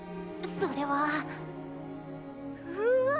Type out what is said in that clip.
それは。うわ！